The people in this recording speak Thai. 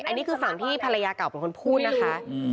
อันนี้คือฝั่งที่ภรรยาเก่าเป็นคนพูดนะคะ